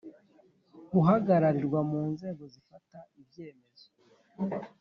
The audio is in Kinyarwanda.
Guhagararirwa mu nzego zifata ibyemezo